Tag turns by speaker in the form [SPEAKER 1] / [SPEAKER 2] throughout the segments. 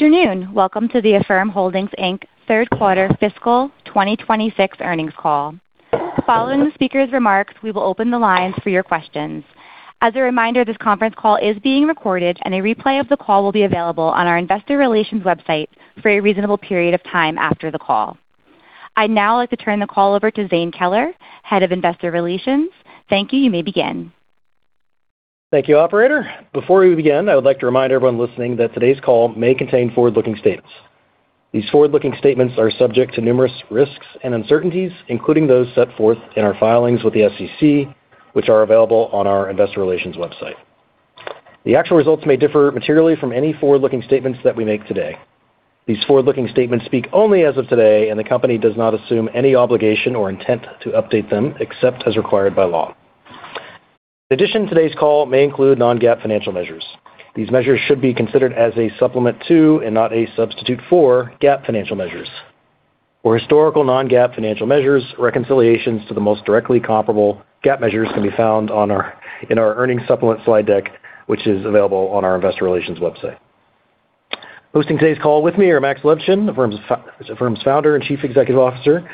[SPEAKER 1] Good afternoon. Welcome to the Affirm Holdings, Inc third quarter fiscal 2026 earnings call. Following the speaker's remarks, we will open the lines for your questions. As a reminder, this conference call is being recorded, and a replay of the call will be available on our Investor Relations website for a reasonable period of time after the call. I'd now like to turn the call over to Zane Keller, Head of Investor Relations. Thank you. You may begin.
[SPEAKER 2] Thank you, operator. Before we begin, I would like to remind everyone listening that today's call may contain forward-looking statements. These forward-looking statements are subject to numerous risks and uncertainties, including those set forth in our filings with the SEC, which are available on our investor relations website. The actual results may differ materially from any forward-looking statements that we make today. These forward-looking statements speak only as of today, and the company does not assume any obligation or intent to update them except as required by law. In addition, today's call may include non-GAAP financial measures. These measures should be considered as a supplement to, and not a substitute for, GAAP financial measures. For historical non-GAAP financial measures, reconciliations to the most directly comparable GAAP measures can be found in our earnings supplement slide deck, which is available on our investor relations website. Hosting today's call with me are Max Levchin, Affirm's Founder and Chief Executive Officer,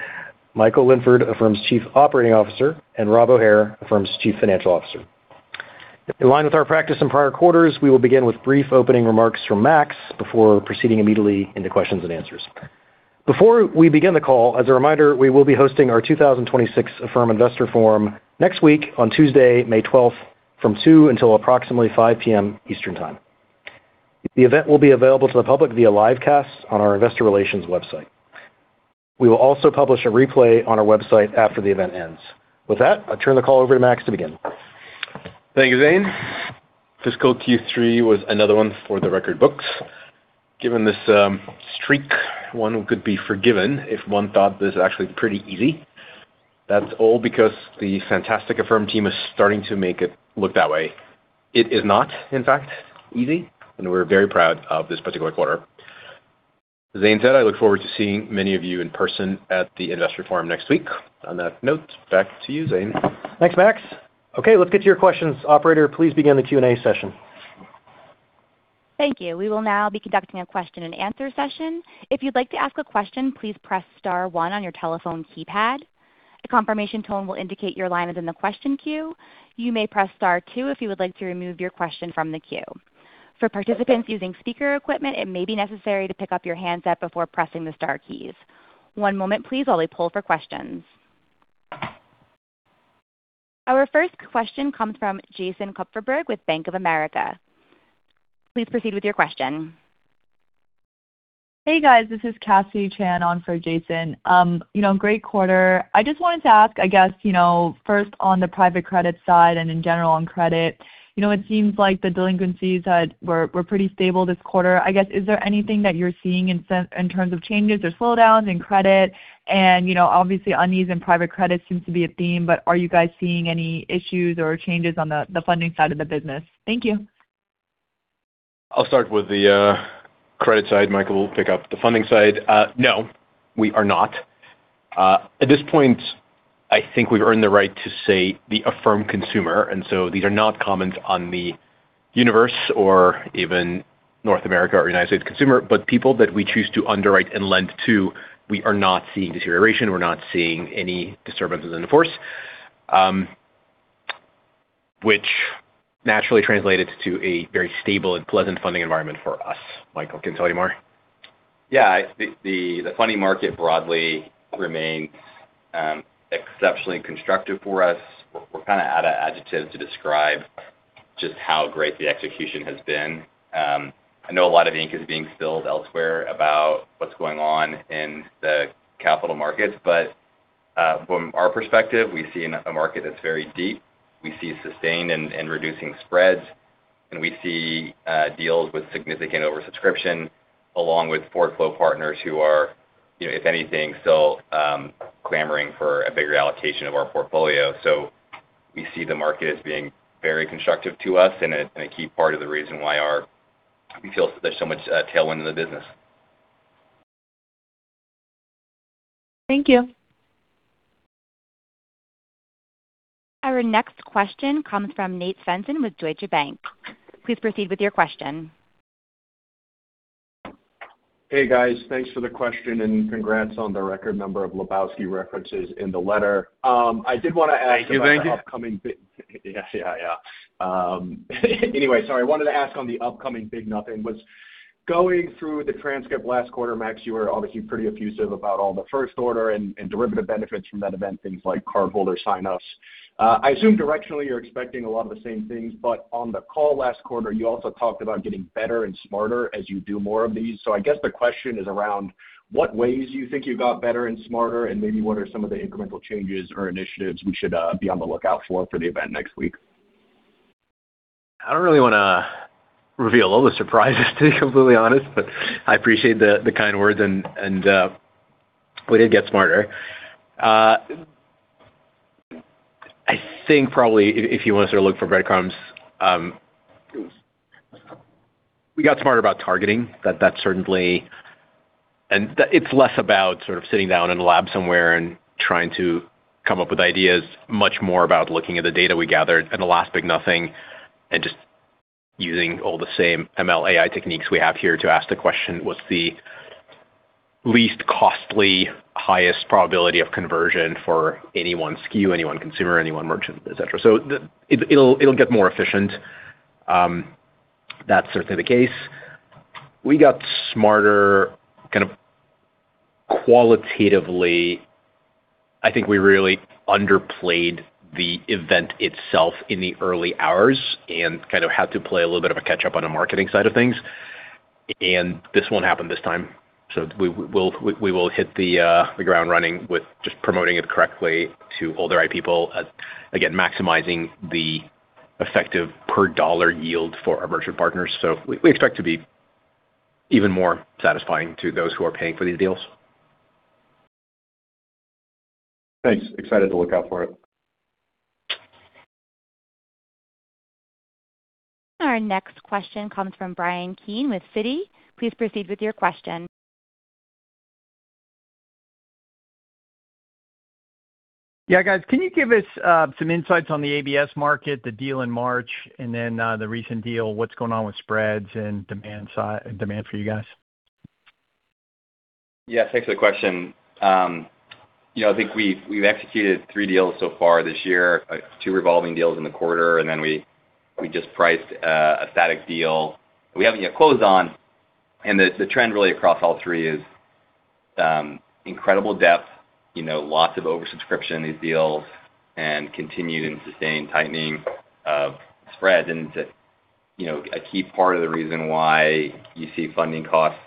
[SPEAKER 2] Michael Linford, Affirm's Chief Operating Officer, and Rob O'Hare, Affirm's Chief Financial Officer. In line with our practice in prior quarters, we will begin with brief opening remarks from Max before proceeding immediately into questions and answers. Before we begin the call, as a reminder, we will be hosting our 2026 Affirm Investor Forum next week on Tuesday, May 12 from 2:00 P.M. until approximately 5:00 P.M. Eastern Time. The event will be available to the public via live cast on our Investor Relations website. We will also publish a replay on our website after the event ends. With that, I'll turn the call over to Max to begin.
[SPEAKER 3] Thank you, Zane. Fiscal Q3 was another one for the record books. Given this streak, one could be forgiven if one thought this is actually pretty easy. That's all because the fantastic Affirm team is starting to make it look that way. It is not, in fact, easy, and we're very proud of this particular quarter. As Zane said, I look forward to seeing many of you in person at the Investor Forum next week. On that note, back to you, Zane.
[SPEAKER 2] Thanks, Max. Okay, let's get to your questions. Operator, please begin the Q&A session.
[SPEAKER 1] Thank you. We will now be conducting a question-and-answer session. If you'd like to ask a question, please press star one on your telephone keypad. A confirmation tone will indicate your line is in the question queue. You may press star two if you would like to remove your question from the queue. For participants using speaker equipment, it may be necessary to pick up your handset before pressing the star keys. One moment please while we poll for questions. Our first question comes from Jason Kupferberg with Bank of America. Please proceed with your question.
[SPEAKER 4] Hey, guys. This is Cassie Chan on for Jason. You know, great quarter. I just wanted to ask, I guess, you know, first on the private credit side and in general on credit. You know, it seems like the delinquencies were pretty stable this quarter. I guess, is there anything that you're seeing in terms of changes or slowdowns in credit? You know, obviously unease in private credit seems to be a theme, but are you guys seeing any issues or changes on the funding side of the business? Thank you.
[SPEAKER 3] I'll start with the credit side. Michael will pick up the funding side. No, we are not. At this point, I think we've earned the right to say the Affirm consumer, and so these are not comments on the universe or even North America or United States consumer, but people that we choose to underwrite and lend to, we are not seeing deterioration. We're not seeing any disturbances in the force, which naturally translated to a very stable and pleasant funding environment for us. Michael, can you tell me more?
[SPEAKER 5] Yeah. The funding market broadly remains exceptionally constructive for us. We're kinda outta adjectives to describe just how great the execution has been. I know a lot of ink is being spilled elsewhere about what's going on in the capital markets. From our perspective, we see a market that's very deep. We see sustained and reducing spreads, we see deals with significant oversubscription along with forward flow partners who are, you know, if anything, still clamoring for a bigger allocation of our portfolio. We see the market as being very constructive to us and a key part of the reason why we feel there's so much tailwind in the business.
[SPEAKER 4] Thank you.
[SPEAKER 1] Our next question comes from Nate Svensson with Deutsche Bank. Please proceed with your question.
[SPEAKER 6] Hey, guys. Thanks for the question. Congrats on the record number of Lebowski references in the letter.
[SPEAKER 3] Thank you.
[SPEAKER 5] Thank you.
[SPEAKER 6] Yeah. Yeah. Yeah. Anyway, sorry. I wanted to ask on the upcoming Big Nothing. Going through the transcript last quarter, Max, you were obviously pretty effusive about all the first order and derivative benefits from that event, things like cardholder sign-ups. I assume directionally you're expecting a lot of the same things. On the call last quarter, you also talked about getting better and smarter as you do more of these. I guess the question is around what ways you think you got better and smarter, and maybe what are some of the incremental changes or initiatives we should be on the lookout for the event next week?
[SPEAKER 3] I don't really wanna reveal all the surprises, to be completely honest, but I appreciate the kind words and we did get smarter. I think probably if you wanna sort of look for breadcrumbs, we got smarter about targeting. That certainly. It's less about sort of sitting down in a lab somewhere and trying to come up with ideas, much more about looking at the data we gathered in the last The Big Nothing and just using all the same ML AI techniques we have here to ask the question, what's the least costly, highest probability of conversion for any one SKU, any one consumer, any one merchant, et cetera. It'll get more efficient. That's certainly the case. We got smarter kind of qualitatively. I think we really underplayed the event itself in the early hours and kind of had to play a little bit of a catch-up on the marketing side of things, and this won't happen this time. We will hit the ground running with just promoting it correctly to all the right people, again, maximizing the effective per dollar yield for our merchant partners. We expect to be even more satisfying to those who are paying for these deals.
[SPEAKER 6] Thanks. Excited to look out for it.
[SPEAKER 1] Our next question comes from Bryan Keane with Citi. Please proceed with your question.
[SPEAKER 7] Yeah, guys, can you give us some insights on the ABS market, the deal in March, and then, the recent deal, what's going on with spreads and demand for you guys?
[SPEAKER 5] Yes, thanks for the question. You know, I think we've executed three deals so far this year, two revolving deals in the quarter, and then we just priced a static deal we haven't yet closed on. The trend really across all three is incredible depth, you know, lots of oversubscription in these deals and continued and sustained tightening of spreads. To, you know, a key part of the reason why you see funding costs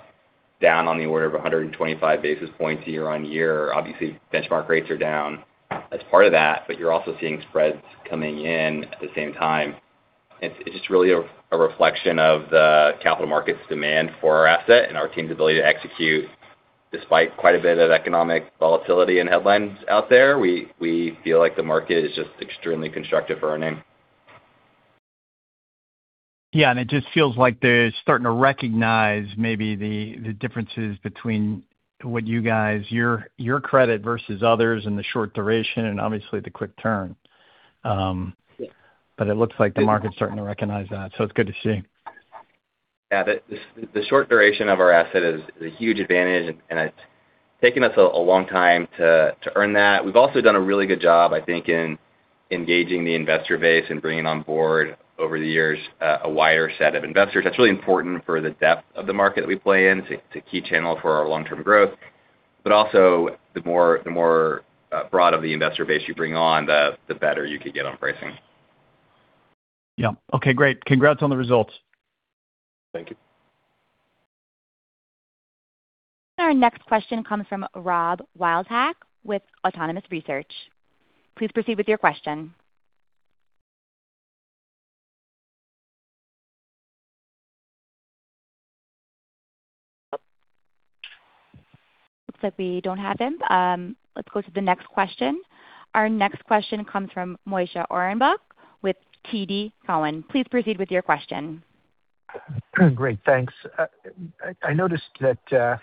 [SPEAKER 5] down on the order of 125 basis points year-on-year. Obviously, benchmark rates are down as part of that, but you're also seeing spreads coming in at the same time. It's just really a reflection of the capital markets demand for our asset and our team's ability to execute despite quite a bit of economic volatility and headlines out there. We feel like the market is just extremely constructive for our name.
[SPEAKER 7] Yeah, it just feels like they're starting to recognize maybe the differences between your credit versus others and the short duration and obviously the quick turn. It looks like the market's starting to recognize that, so it's good to see.
[SPEAKER 5] Yeah. The short duration of our asset is a huge advantage, and it's taken us a long time to earn that. We've also done a really good job, I think, in engaging the investor base and bringing on board over the years, a wider set of investors. That's really important for the depth of the market that we play in. It's a key channel for our long-term growth. Also the more broad of the investor base you bring on, the better you could get on pricing.
[SPEAKER 7] Yeah. Okay, great. Congrats on the results.
[SPEAKER 5] Thank you.
[SPEAKER 1] Our next question comes from Rob Wildhack with Autonomous Research. Please proceed with your question. Looks like we don't have him. Let's go to the next question. Our next question comes from Moshe Orenbuch with TD Cowen. Please proceed with your question.
[SPEAKER 8] Great, thanks. I noticed that,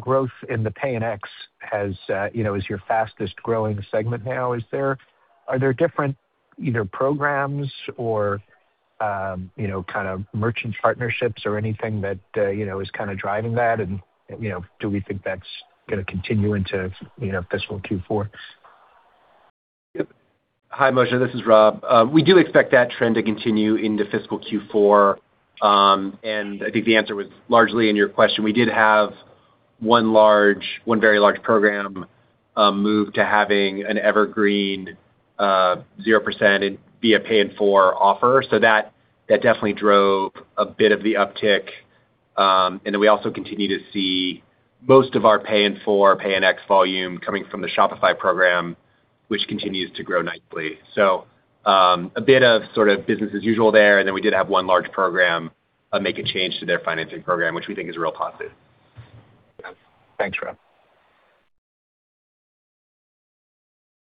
[SPEAKER 8] growth in the Pay-in-X has, you know, is your fastest-growing segment now. Are there different either programs or, you know, kind of merchant partnerships or anything that, you know, is kinda driving that? Do we think that's gonna continue into, you know, fiscal Q4?
[SPEAKER 9] Yep. Hi, Moshe, this is Rob. We do expect that trend to continue into fiscal Q4. I think the answer was largely in your question. We did have one very large program move to having an evergreen 0% via Pay-in-4 offer. That definitely drove a bit of the uptick. Then we also continue to see most of our Pay-in-4, Pay-in-X volume coming from the Shopify program, which continues to grow nicely. A bit of sort of business as usual there, then we did have one large program make a change to their financing program, which we think is a real positive.
[SPEAKER 8] Thanks, Rob.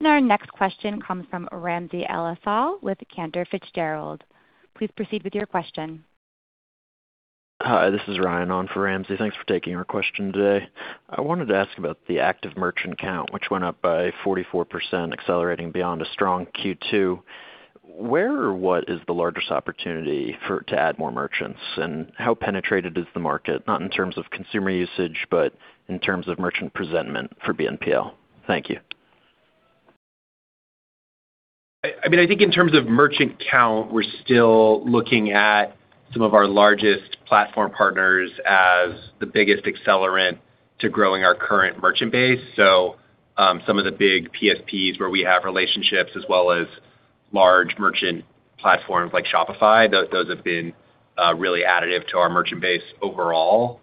[SPEAKER 1] Our next question comes from Ramsey El-Assal with Cantor Fitzgerald. Please proceed with your question.
[SPEAKER 10] Hi, this is Ryan on for Ramsey. Thanks for taking our question today. I wanted to ask about the active merchant count, which went up by 44%, accelerating beyond a strong Q2. Where or what is the largest opportunity for to add more merchants? How penetrated is the market, not in terms of consumer usage, but in terms of merchant presentment for BNPL? Thank you.
[SPEAKER 3] I mean, I think in terms of merchant count, we're still looking at some of our largest platform partners as the biggest accelerant to growing our current merchant base. Some of the big PSPs where we have relationships as well as large merchant platforms like Shopify, those have been really additive to our merchant base overall.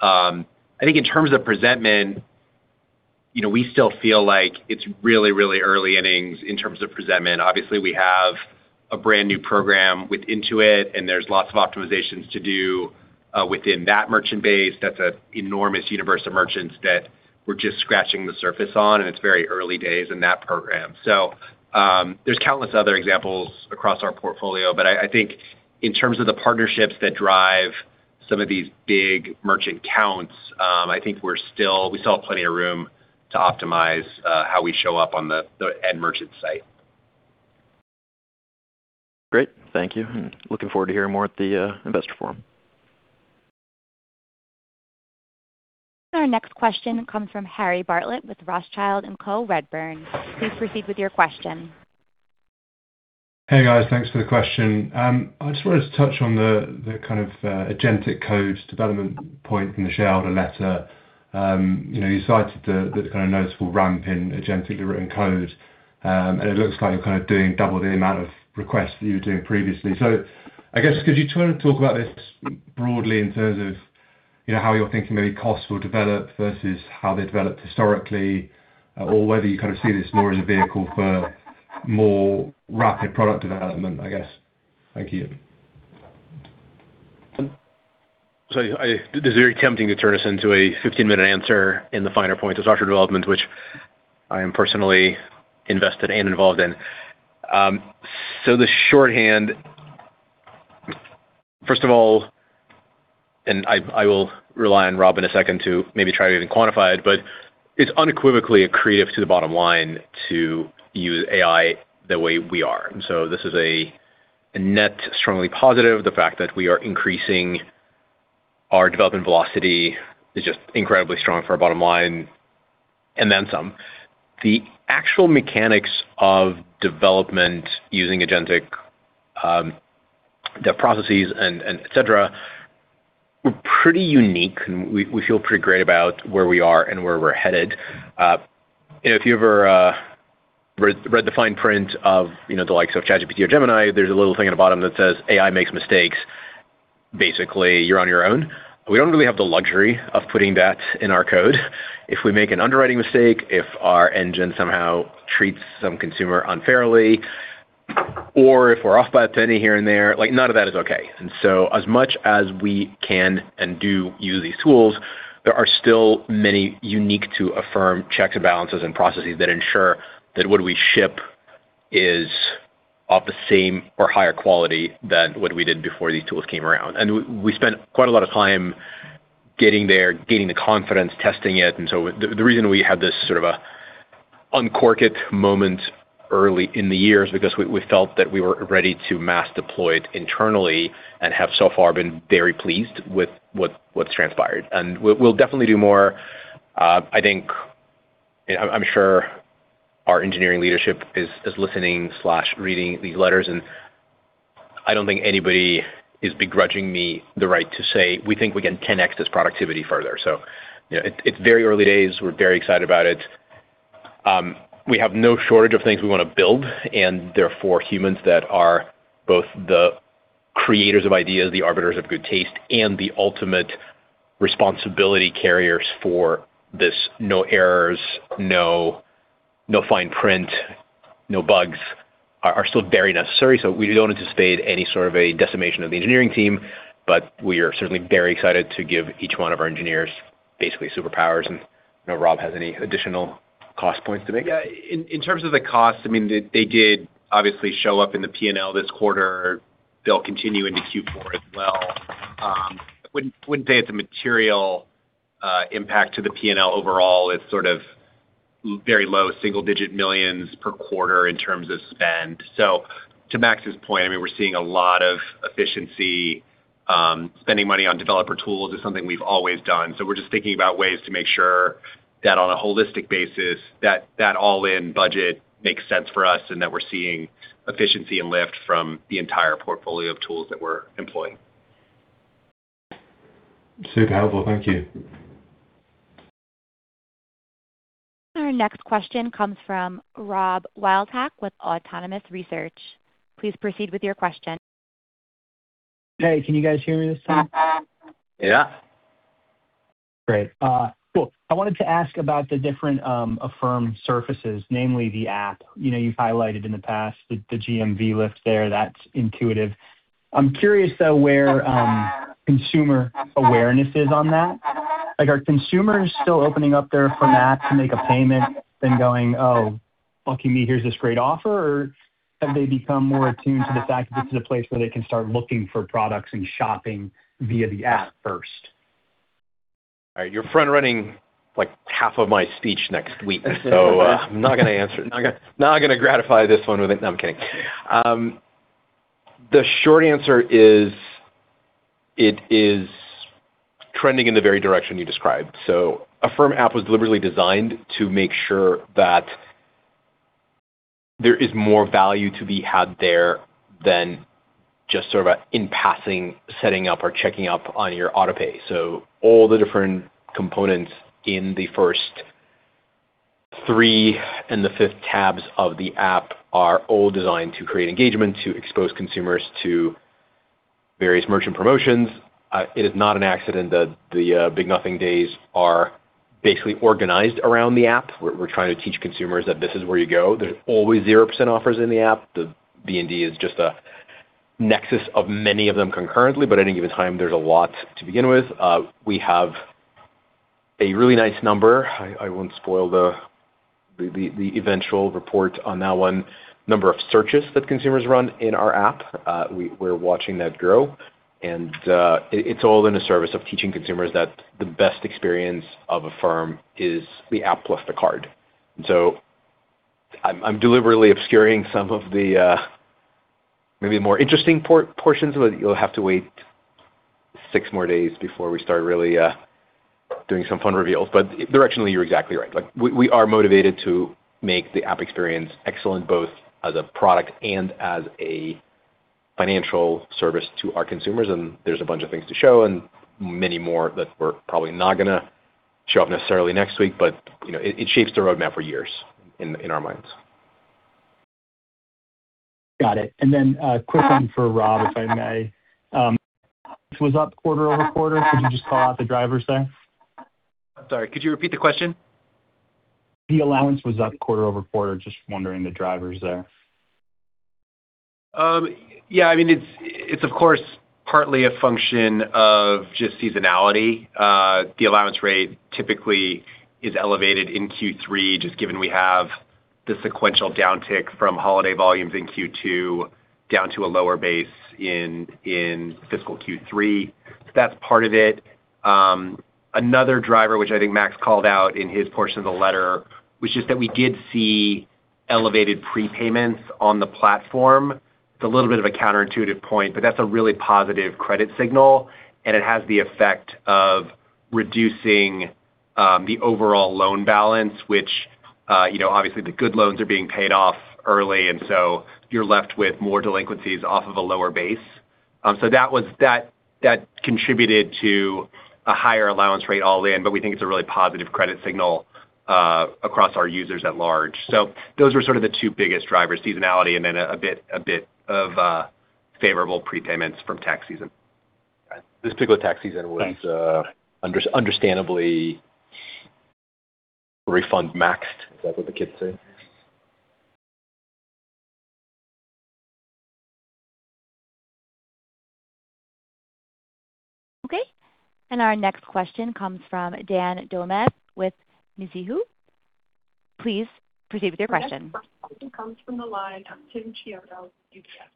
[SPEAKER 3] I think in terms of presentment, you know, we still feel like it's really, really early innings in terms of presentment. Obviously, we have a brand-new program with Intuit, and there's lots of optimizations to do within that merchant base. That's an enormous universe of merchants that we're just scratching the surface on, and it's very early days in that program. There's countless other examples across our portfolio, but I think in terms of the partnerships that drive some of these big merchant counts, I think we still have plenty of room to optimize how we show up on the end merchant site.
[SPEAKER 10] Great. Thank you. Looking forward to hearing more at the Investor Forum.
[SPEAKER 1] Our next question comes from Harry Bartlett with Rothschild & Co Redburn. Please proceed with your question.
[SPEAKER 11] Hey, guys. Thanks for the question. I just wanted to touch on the kind of agentic codes development point in the shareholder letter. You know, you cited the kind of noticeable ramp in agentic written code, and it looks like you're kind of doing double the amount of requests that you were doing previously. Could you talk about this broadly in terms of, you know, how you're thinking maybe costs will develop versus how they developed historically, or whether you kind of see this more as a vehicle for more rapid product development? Thank you.
[SPEAKER 3] This is very tempting to turn this into a 15-minute answer in the finer points of software development, which I am personally invested and involved in. The shorthand, first of all, and I will rely on Rob in a second to maybe try to even quantify it, but it's unequivocally accretive to the bottom line to use AI the way we are. This is a net strongly positive. The fact that we are increasing our development velocity is just incredibly strong for our bottom line and then some. The actual mechanics of development using agentic, the processes and et cetera, we're pretty unique, and we feel pretty great about where we are and where we're headed. If you ever read the fine print of, you know, the likes of ChatGPT or Gemini, there's a little thing at the bottom that says, "AI makes mistakes. Basically, you're on your own." We don't really have the luxury of putting that in our code. If we make an underwriting mistake, if our engine somehow treats some consumer unfairly, or if we're off by a penny here and there, like, none of that is okay. As much as we can and do use these tools, there are still many unique to Affirm checks and balances and processes that ensure that what we ship is of the same or higher quality than what we did before these tools came around. We spent quite a lot of time getting there, gaining the confidence, testing it. The reason we had this sort of a uncork it moment early in the year is because we felt that we were ready to mass deploy it internally and have so far been very pleased with what's transpired. We'll definitely do more. I'm sure our engineering leadership is listening/reading these letters, and I don't think anybody is begrudging me the right to say, we think we can connect this productivity further. You know, it's very early days. We're very excited about it. We have no shortage of things we want to build, and therefore, humans that are both the creators of ideas, the arbiters of good taste, and the ultimate responsibility carriers for this no errors, no fine print, no bugs, are still very necessary. We don't anticipate any sort of a decimation of the engineering team, but we are certainly very excited to give each one of our engineers basically superpowers. I don't know if Rob has any additional cost points to make.
[SPEAKER 9] Yeah. In terms of the cost, I mean, they did obviously show up in the P&L this quarter. They'll continue into Q4 as well. Wouldn't say it's a material impact to the P&L overall. It's sort of very low single-digit millions per quarter in terms of spend. To Max's point, I mean, we're seeing a lot of efficiency. Spending money on developer tools is something we've always done. We're just thinking about ways to make sure that on a holistic basis, that all-in budget makes sense for us and that we're seeing efficiency and lift from the entire portfolio of tools that we're employing.
[SPEAKER 11] Super helpful. Thank you.
[SPEAKER 1] Our next question comes from Rob Wildhack with Autonomous Research. Please proceed with your question.
[SPEAKER 12] Hey, can you guys hear me this time?
[SPEAKER 3] Yeah.
[SPEAKER 12] Great. Cool. I wanted to ask about the different Affirm surfaces, namely the app. You know, you've highlighted in the past the GMV lift there. That's intuitive. I'm curious, though, where consumer awareness is on that. Like, are consumers still opening up their Affirm app to make a payment then going, "Oh, lucky me, here's this great offer"? Have they become more attuned to the fact that this is a place where they can start looking for products and shopping via the app first?
[SPEAKER 3] You're front-running like half of my speech next week. I'm not gonna answer. Not gonna gratify this one with No, I'm kidding. The short answer is it is trending in the very direction you described. Affirm app was deliberately designed to make sure that there is more value to be had there than just sort of a in passing setting up or checking up on your auto-pay. All the different components in the first three and the fifth tabs of the app are all designed to create engagement, to expose consumers to various merchant promotions. It is not an accident that the Big Nothing Days are basically organized around the app. We're trying to teach consumers that this is where you go. There's always 0% offers in the app. The BND is just Nexus of many of them concurrently, at any given time, there's a lot to begin with. We have a really nice number. I won't spoil the eventual report on that one. Number of searches that consumers run in our app, we're watching that grow. It's all in the service of teaching consumers that the best experience of Affirm is the app plus the card. I'm deliberately obscuring some of the maybe more interesting portions of it. You'll have to wait six more days before we start really doing some fun reveals. Directionally, you're exactly right. Like, we are motivated to make the app experience excellent, both as a product and as a financial service to our consumers, and there's a bunch of things to show and many more that we're probably not gonna show off necessarily next week, but, you know, it shapes the roadmap for years in our minds.
[SPEAKER 12] Got it. A quick one for Rob, if I may. Was up quarter-over-quarter. Could you just call out the drivers there?
[SPEAKER 9] I'm sorry, could you repeat the question?
[SPEAKER 12] The allowance was up quarter-over-quarter. Just wondering the drivers there.
[SPEAKER 9] It's of course, partly a function of just seasonality. The allowance rate typically is elevated in Q3, just given we have the sequential downtick from holiday volumes in Q2 down to a lower base in fiscal Q3. That's part of it. Another driver, which I think Max called out in his portion of the letter, which is that we did see elevated prepayments on the platform. It's a little bit of a counterintuitive point, but that's a really positive credit signal, and it has the effect of reducing the overall loan balance, which obviously the good loans are being paid off early, you're left with more delinquencies off of a lower base. That contributed to a higher allowance rate all in, but we think it's a really positive credit signal across our users at large. Those were sort of the two biggest drivers, seasonality and then a bit of favorable prepayments from tax season. This particular tax season was understandably refund maxed. Is that what the kids say?
[SPEAKER 1] Okay. Our next question comes from Dan Dolev with Mizuho. Please proceed with your question.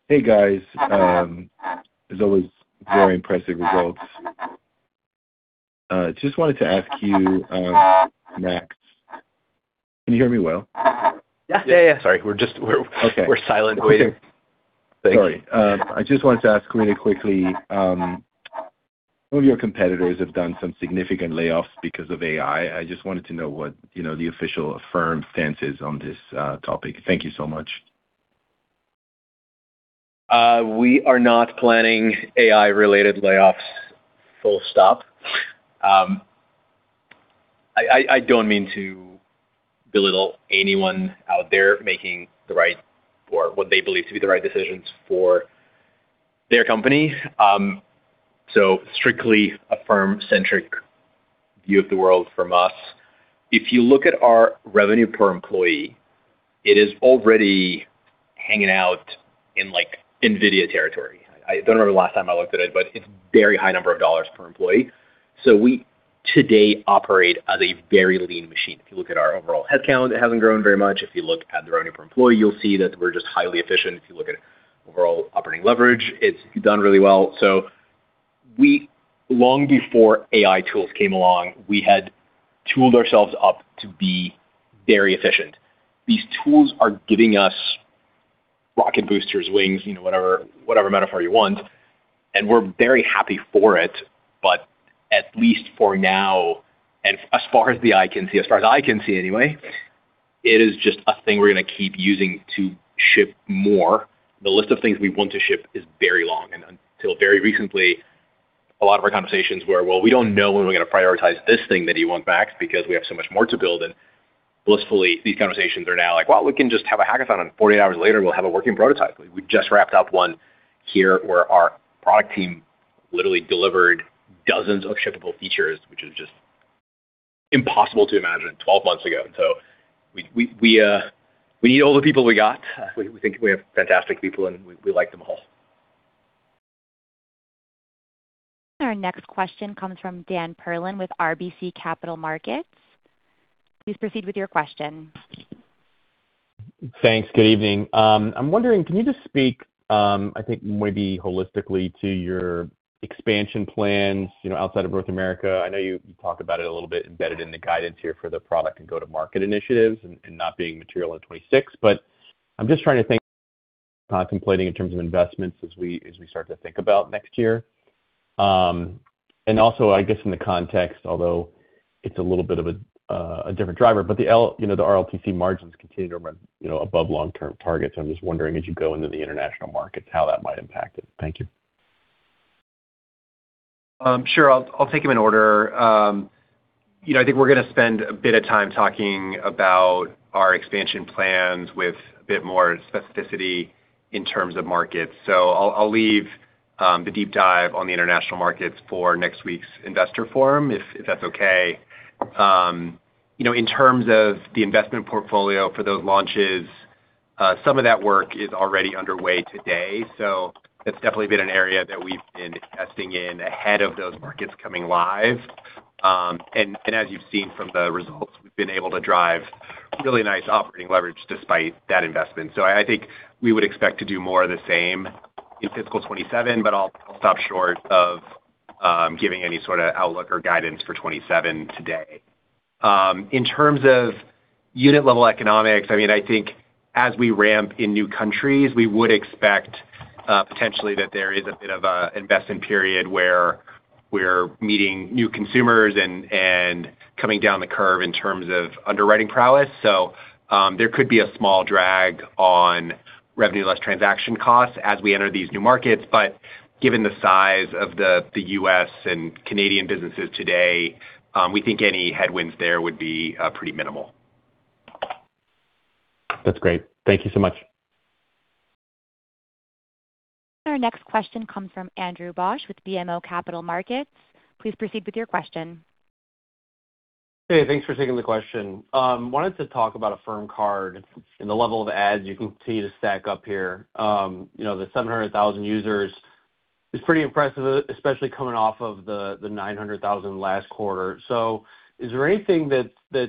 [SPEAKER 13] Hey, guys. As always, very impressive results. Just wanted to ask you, Max, can you hear me well?
[SPEAKER 3] Yeah, yeah. Sorry. We're silent waiting.
[SPEAKER 13] Okay.
[SPEAKER 3] Thanks.
[SPEAKER 13] Sorry. I just wanted to ask really quickly, some of your competitors have done some significant layoffs because of AI. I just wanted to know what, you know, the official Affirm stance is on this topic. Thank you so much.
[SPEAKER 3] We are not planning AI-related layoffs, full stop. I don't mean to belittle anyone out there making the right or what they believe to be the right decisions for their company. Strictly Affirm-centric view of the world from us. If you look at our revenue per employee, it is already hanging out in, like, NVIDIA territory. I don't remember the last time I looked at it, but it's very high number of dollars per employee. We today operate as a very lean machine. If you look at our overall headcount, it hasn't grown very much. If you look at the revenue per employee, you'll see that we're just highly efficient. If you look at overall operating leverage, it's done really well. Long before AI tools came along, we had tooled ourselves up to be very efficient. These tools are giving us rocket boosters, wings, you know, whatever metaphor you want, and we're very happy for it. At least for now, and as far as the eye can see, as far as I can see anyway, it is just a thing we're gonna keep using to ship more. The list of things we want to ship is very long. Until very recently, a lot of our conversations were, "Well, we don't know when we're going to prioritize this thing that you want back because we have so much more to build." Blissfully, these conversations are now like, "Well, we can just have a hackathon, and 48 hours later we'll have a working prototype." We just wrapped up one here where our product team literally delivered dozens of shippable features, which is just impossible to imagine 12 months ago. We need all the people we got. We think we have fantastic people, and we like them all.
[SPEAKER 1] Our next question comes from Dan Perlin with RBC Capital Markets. Please proceed with your question.
[SPEAKER 14] Thanks. Good evening. I'm wondering, can you just speak, I think maybe holistically to your expansion plans, you know, outside of North America? I know you talked about it a little bit embedded in the guidance here for the product and go-to-market initiatives and not being material in 2026, but I'm just trying to think, contemplating in terms of investments as we start to think about next year. Also, I guess in the context, although it's a little bit of a different driver, but the, you know, the RLTC margins continue to run, you know, above long-term targets. I'm just wondering as you go into the international markets, how that might impact it. Thank you.
[SPEAKER 9] Sure. I'll take them in order. You know, I think we're gonna spend a bit of time talking about our expansion plans with a bit more specificity in terms of markets. So I'll leave the deep dive on the international markets for next week's Affirm Investor Forum, if that's okay. You know, in terms of the investment portfolio for those launches, some of that work is already underway today. That's definitely been an area that we've been investing in ahead of those markets coming live. As you've seen from the results, we've been able to drive really nice operating leverage despite that investment. I think we would expect to do more of the same in fiscal 2027, but I'll stop short of giving any sort of outlook or guidance for 2027 today. In terms of unit-level economics, I mean, I think as we ramp in new countries, we would expect potentially that there is a bit of a investment period where we're meeting new consumers and coming down the curve in terms of underwriting prowess. There could be a small drag on revenue less transaction costs as we enter these new markets. Given the size of the U.S. and Canadian businesses today, we think any headwinds there would be, pretty minimal.
[SPEAKER 14] That's great. Thank you so much.
[SPEAKER 1] Our next question comes from Andrew Bauch with BMO Capital Markets. Please proceed with your question.
[SPEAKER 15] Hey, thanks for taking the question. Wanted to talk about Affirm Card and the level of adds you continue to stack up here. You know, the 700,000 users is pretty impressive, especially coming off of the 900,000 last quarter. Is there anything that's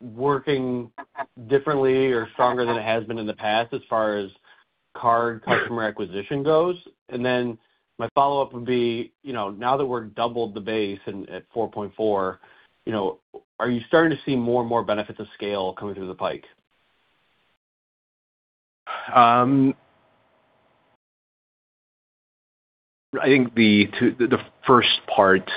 [SPEAKER 15] working differently or stronger than it has been in the past as far as card customer acquisition goes? My follow-up would be, you know, now that we're doubled the base and at 4.4, you know, are you starting to see more and more benefits of scale coming through the pike?
[SPEAKER 3] I think to the first part,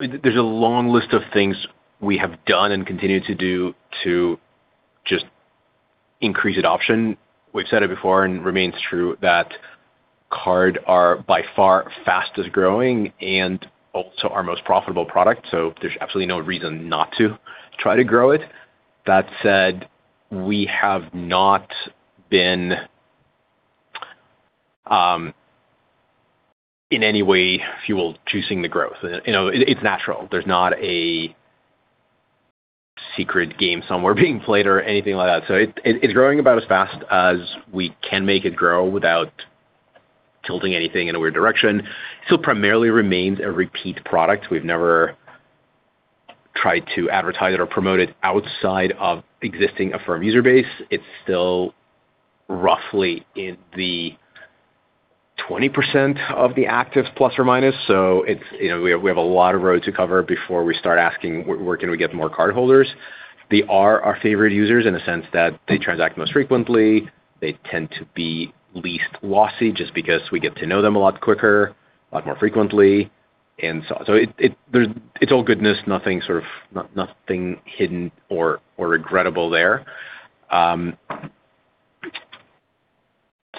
[SPEAKER 3] there's a long list of things we have done and continue to do to just increase adoption. We've said it before, and remains true that Card are by far fastest-growing and also our most profitable product, so there's absolutely no reason not to try to grow it. That said, we have not been in any way fuel juicing the growth. You know, it's natural. There's not a secret game somewhere being played or anything like that. It's growing about as fast as we can make it grow without tilting anything in a weird direction. Still primarily remains a repeat product. We've never tried to advertise it or promote it outside of existing Affirm user base. It's still roughly in the 20% of the actives, plus or minus. It's, you know, we have a lot of road to cover before we start asking where can we get more cardholders. They are our favorite users in a sense that they transact most frequently. They tend to be least lossy just because we get to know them a lot quicker, a lot more frequently. So it's all goodness, nothing sort of nothing hidden or regrettable there. Let's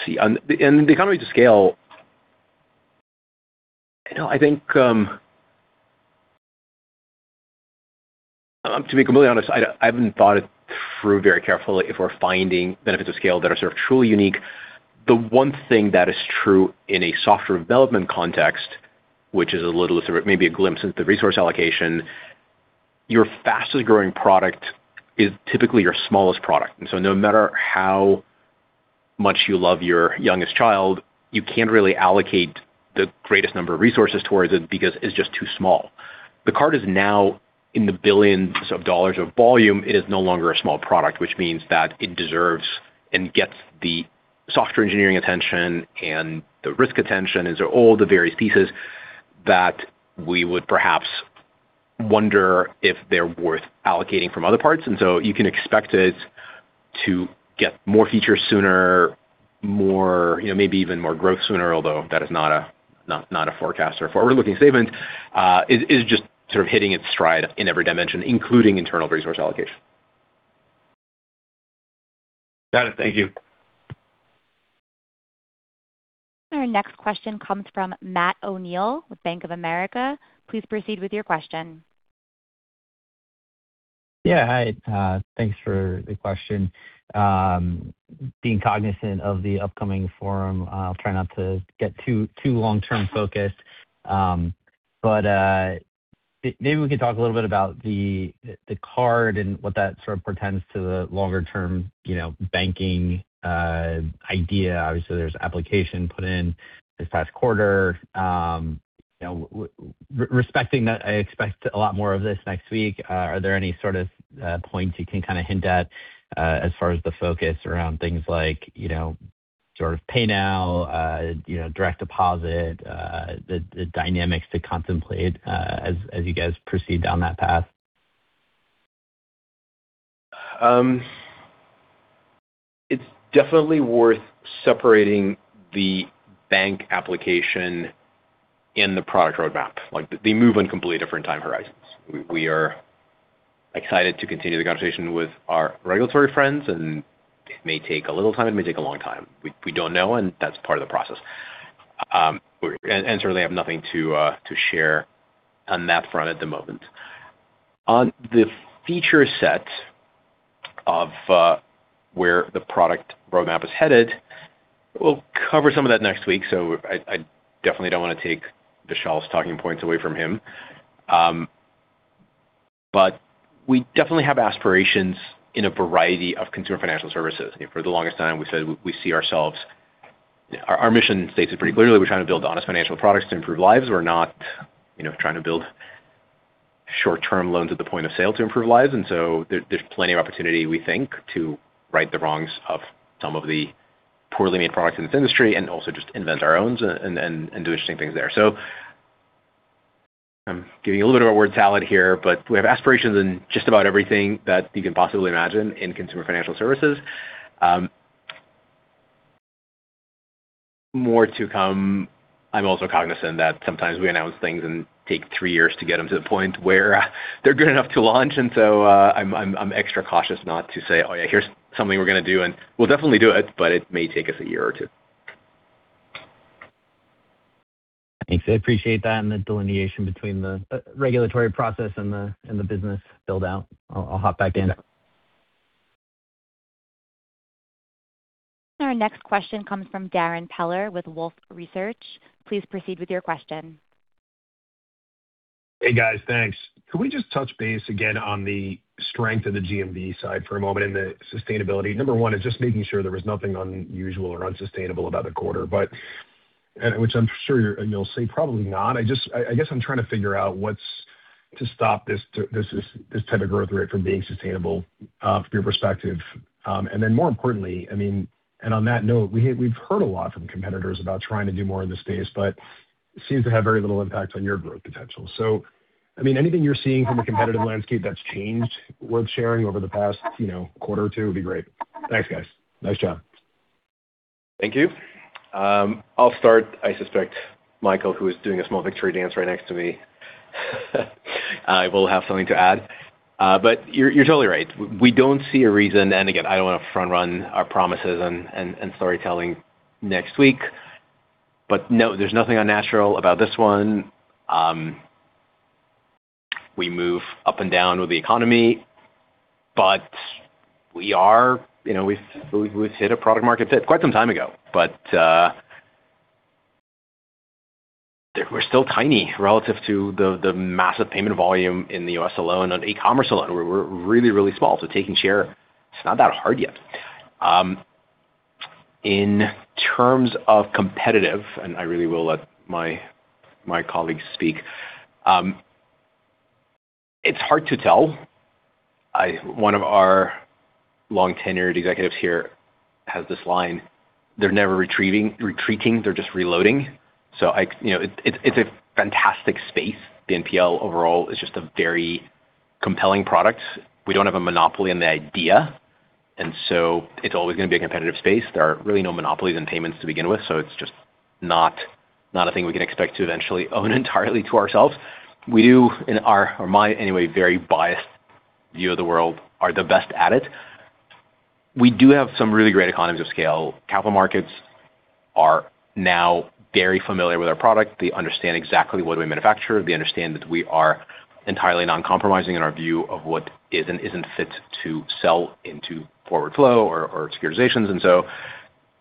[SPEAKER 3] see. The economy to scale, you know, I haven't thought it through very carefully if we're finding benefits of scale that are truly unique. The one thing that is true in a software development context, which is a little sort of maybe a glimpse into the resource allocation, your fastest-growing product is typically your smallest product. No matter how much you love your youngest child, you can't really allocate the greatest number of resources towards it because it's just too small. The card is now in the billions of dollars of volume. It is no longer a small product, which means that it deserves and gets the software engineering attention and the risk attention is all the various pieces that we would perhaps wonder if they're worth allocating from other parts. You can expect it to get more features sooner, more, you know, maybe even more growth sooner, although that is not a forecast or forward-looking statement. It is just sort of hitting its stride in every dimension, including internal resource allocation.
[SPEAKER 15] Got it. Thank you.
[SPEAKER 1] Our next question comes from Matt O'Neill with Bank of America. Please proceed with your question.
[SPEAKER 16] Yeah, hi. Thanks for the question. Being cognizant of the upcoming Affirm Investor Forum, I'll try not to get too long-term focused. Maybe we could talk a little bit about the Affirm Card and what that sort of portends to the longer-term, you know, banking idea. Obviously, there's application put in this past quarter. You know, respecting that I expect a lot more of this next week, are there any sort of points you can kinda hint at as far as the focus around things like, you know, sort of pay now, you know, direct deposit, the dynamics to contemplate as you guys proceed down that path?
[SPEAKER 3] It's definitely worth separating the bank application and the product roadmap. Like, they move on completely different time horizons. We are excited to continue the conversation with our regulatory friends, and it may take a little time, it may take a long time. We don't know, and that's part of the process. We certainly have nothing to share on that front at the moment. On the feature set of where the product roadmap is headed. We'll cover some of that next week, so I definitely don't wanna take Vishal's talking points away from him. We definitely have aspirations in a variety of consumer financial services. For the longest time, we said we see ourselves. Our mission states it pretty clearly. We're trying to build honest financial products to improve lives. We're not, you know, trying to build short-term loans at the point of sale to improve lives. There's plenty of opportunity, we think, to right the wrongs of some of the poorly made products in this industry and also just invent our owns and do interesting things there. I'm giving a little bit of a word salad here, but we have aspirations in just about everything that you can possibly imagine in consumer financial services. More to come. I'm also cognizant that sometimes we announce things and take three years to get them to the point where they're good enough to launch. I'm extra cautious not to say, "Oh, yeah, here's something we're going to do," and we'll definitely do it, but it may take us a year or two.
[SPEAKER 16] Thanks. I appreciate that and the delineation between the regulatory process and the business build-out. I'll hop back in.
[SPEAKER 1] Our next question comes from Darrin Peller with Wolfe Research. Please proceed with your question.
[SPEAKER 17] Hey, guys. Thanks. Could we just touch base again on the strength of the GMV side for a moment and the sustainability? Number one is just making sure there was nothing unusual or unsustainable about the quarter. Which I'm sure you'll say probably not. I guess I'm trying to figure out what's to stop this type of growth rate from being sustainable from your perspective. More importantly, I mean, on that note, we've heard a lot from competitors about trying to do more in this space, it seems to have very little impact on your growth potential. I mean, anything you're seeing from the competitive landscape that's changed worth sharing over the past, you know, quarter or two would be great. Thanks, guys. Nice job.
[SPEAKER 3] Thank you. I'll start. I suspect Michael, who is doing a small victory dance right next to me, will have something to add. You're, you're totally right. We don't see a reason. Again, I don't wanna front run our promises and storytelling next week. No, there's nothing unnatural about this one. We move up and down with the economy. We are, you know, we've hit a product market fit quite some time ago. We're still tiny relative to the massive payment volume in the U.S. alone, on e-commerce alone. We're really, really small. Taking share, it's not that hard yet. In terms of competitive, I really will let my colleagues speak. It's hard to tell. One of our long-tenured executives here has this line: "They're never retreating, they're just reloading." You know, it's a fantastic space. The BNPL overall is just a very compelling product. We don't have a monopoly on the idea. It's always gonna be a competitive space. There are really no monopolies in payments to begin with. It's just not a thing we can expect to eventually own entirely to ourselves. We do, in our, or my, anyway, very biased view of the world, are the best at it. We do have some really great economies of scale. Capital markets are now very familiar with our product. They understand exactly what we manufacture. They understand that we are entirely non-compromising in our view of what is and isn't fit to sell into forward flow or securitizations.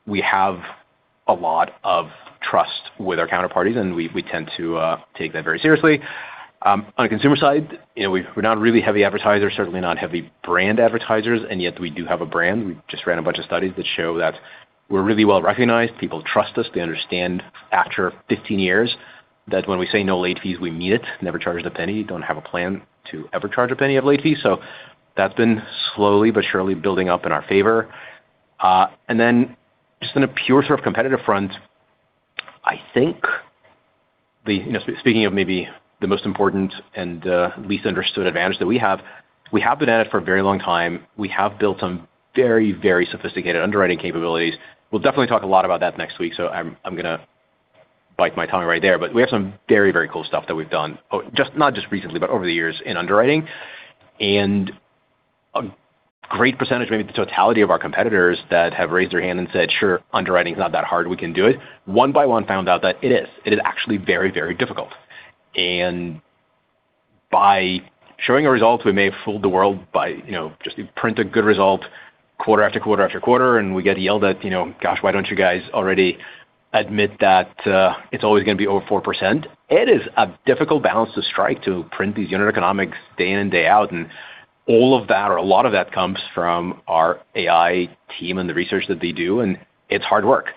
[SPEAKER 3] We have a lot of trust with our counterparties, and we tend to take that very seriously. On a consumer side, you know, we're not a really heavy advertiser, certainly not heavy brand advertisers, and yet we do have a brand. We just ran a bunch of studies that show that we're really well-recognized. People trust us. They understand after 15 years that when we say no late fees, we mean it. Never charged a penny. Don't have a plan to ever charge a penny of late fees. That's been slowly but surely building up in our favor. Just in a pure sort of competitive front, I think the, you know, speaking of maybe the most important and least understood advantage that we have, we have been at it for a very long time. We have built some very, very sophisticated underwriting capabilities. We'll definitely talk a lot about that next week, so I'm gonna bite my tongue right there. We have some very, very cool stuff that we've done, not just recently, but over the years in underwriting. A great percentage, maybe the totality of our competitors that have raised their hand and said, "Sure, underwriting is not that hard, we can do it," one by one found out that it is. It is actually very, very difficult. By showing our results, we may have fooled the world by, you know, just print a good result quarter after quarter after quarter, and we get yelled at, you know, "Gosh, why don't you guys already admit that, it's always gonna be over 4%?" It is a difficult balance to strike to print these unit economics day in, day out, and all of that or a lot of that comes from our AI team and the research that they do, and it's hard work.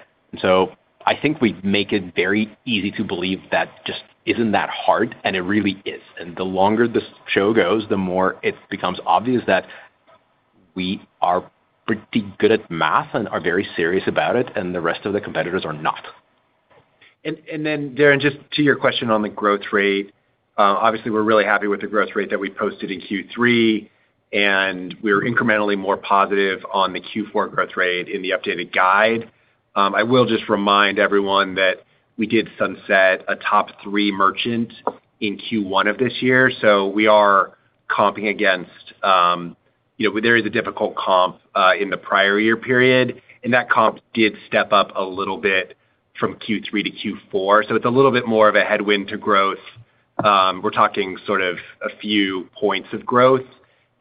[SPEAKER 3] I think we make it very easy to believe that just isn't that hard, and it really is. The longer this show goes, the more it becomes obvious that we are pretty good at math and are very serious about it, and the rest of the competitors are not.
[SPEAKER 9] Darrin, just to your question on the growth rate, obviously, we're really happy with the growth rate that we posted in Q3, and we're incrementally more positive on the Q4 growth rate in the updated guide. I will just remind everyone that we did sunset a top three merchant in Q1 of this year, so we are comping against There is a difficult comp in the prior year period, and that comp did step up a little bit from Q3 to Q4. It's a little bit more of a headwind to growth. We're talking sort of a few points of growth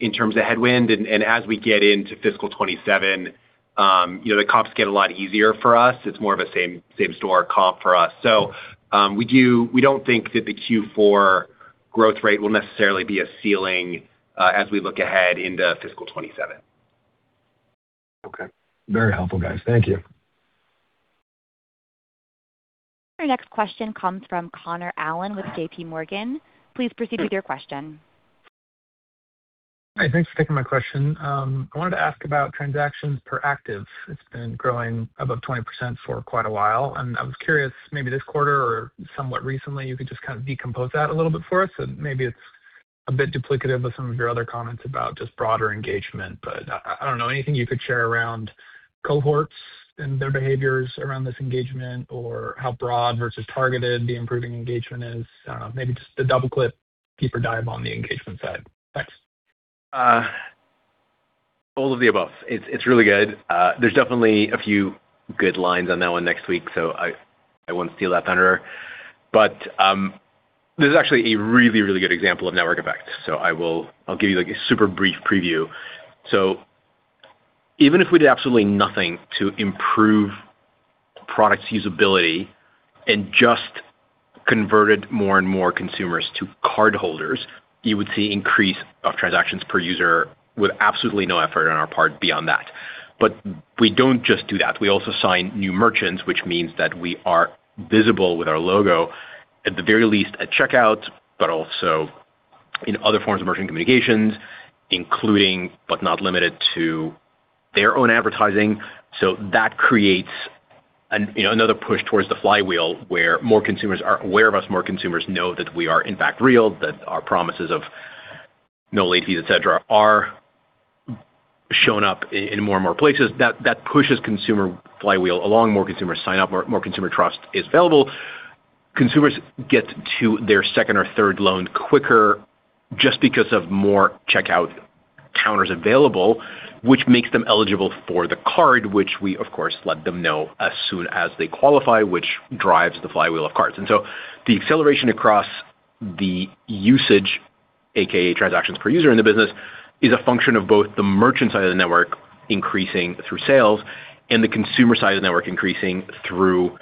[SPEAKER 9] in terms of headwind. As we get into fiscal 2027, the comps get a lot easier for us. It's more of a same store comp for us. We don't think that the Q4 growth rate will necessarily be a ceiling, as we look ahead into fiscal 2027.
[SPEAKER 17] Okay. Very helpful, guys. Thank you.
[SPEAKER 1] Your next question comes from Connor Allen with JPMorgan. Please proceed with your question.
[SPEAKER 18] Hi. Thanks for taking my question. I wanted to ask about transactions per active. It's been growing above 20% for quite a while, I was curious, maybe this quarter or somewhat recently, you could just kind of decompose that a little bit for us. maybe it's a bit duplicative of some of your other comments about just broader engagement, but I don't know, anything you could share around cohorts and their behaviors around this engagement or how broad versus targeted the improving engagement is. maybe just a double click deeper dive on the engagement side. Thanks.
[SPEAKER 3] All of the above. It's really good. There's definitely a few good lines on that one next week, I won't steal that thunder. This is actually a really good example of network effects. I'll give you, like, a super brief preview. Even if we did absolutely nothing to improve product usability and just converted more and more consumers to cardholders, you would see increase of transactions per user with absolutely no effort on our part beyond that. We don't just do that. We also sign new merchants, which means that we are visible with our logo, at the very least at checkout, but also in other forms of merchant communications, including, but not limited to their own advertising. That creates, you know, another push towards the flywheel, where more consumers are aware of us, more consumers know that we are in fact real, that our promises of no late fees, et cetera, are shown up in more and more places. That pushes consumer flywheel along. More consumers sign up, more consumer trust is available. Consumers get to their second or third loan quicker just because of more checkout counters available, which makes them eligible for the card, which we of course let them know as soon as they qualify, which drives the flywheel of cards. The acceleration across the usage, AKA transactions per user in the business, is a function of both the merchant side of the network increasing through sales and the consumer side of the network increasing through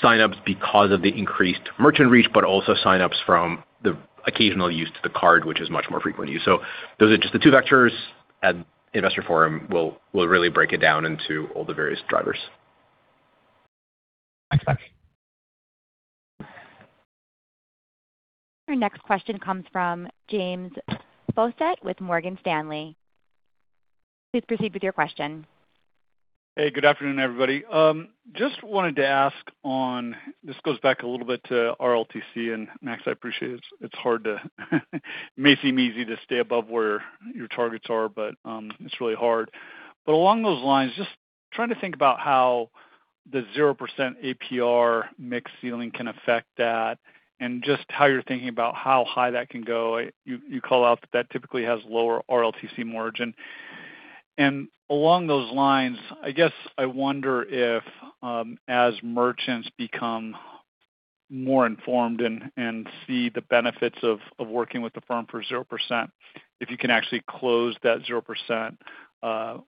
[SPEAKER 3] sign-ups because of the increased merchant reach, but also sign-ups from the occasional use to the card, which is much more frequent use. Those are just the two vectors. At Investor Forum, we'll really break it down into all the various drivers.
[SPEAKER 18] Thanks, Max.
[SPEAKER 1] Your next question comes from James Faucette with Morgan Stanley. Please proceed with your question.
[SPEAKER 19] Hey, good afternoon, everybody. Just wanted to ask this goes back a little bit to RLTC, Max, I appreciate it's hard to may seem easy to stay above where your targets are, but it's really hard. Along those lines, just trying to think about how the 0% APR mix ceiling can affect that and just how you're thinking about how high that can go. You call out that typically has lower RLTC margin. Along those lines, I guess I wonder if as merchants become more informed and see the benefits of working with Affirm for 0%, if you can actually close that 0%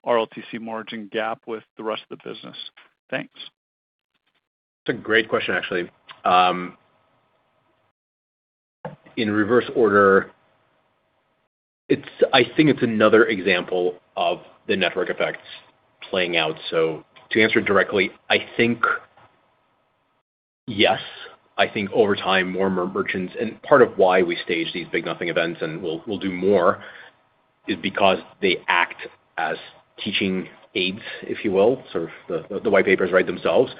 [SPEAKER 19] RLTC margin gap with the rest of the business. Thanks.
[SPEAKER 3] It's a great question, actually. In reverse order, I think it's another example of the network effects playing out. To answer it directly, I think yes. I think over time, more and more merchants, and part of why we stage these Big Nothing events, and we'll do more, is because they act as teaching aids, if you will. Sort of the white papers write themselves.